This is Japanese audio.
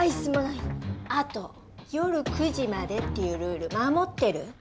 あと夜９時までっていうルール守ってる？